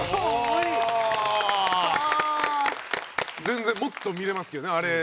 全然もっと見れますけどねあれね。